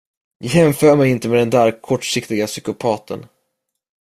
Jämför mig inte med den där kortsiktiga psykopaten.